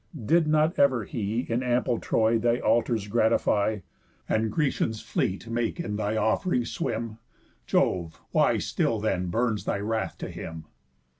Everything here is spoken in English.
Did not ever he, In ample Troy, thy altars gratify, And Grecians' fleet make in thy off'rings swim? Jove, why still then burns thy wrath to him?"